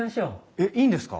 えっいいんですか？